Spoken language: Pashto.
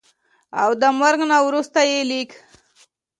او دَمرګ نه وروستو ئې ليک